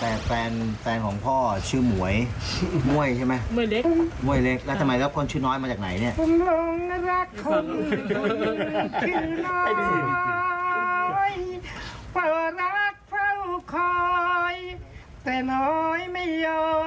แต่แฟนของพ่อชื่อหมวยใช่ไหมห้วยเล็กห้วยเล็กแล้วทำไมรับคนชื่อน้อยมาจากไหนเนี่ย